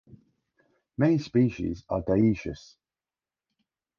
Many species are dioecious.